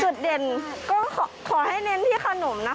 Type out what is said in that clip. จุดเด่นก็ขอให้เน้นที่ขนมนะคะ